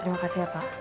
terima kasih ya pak